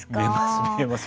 見えます。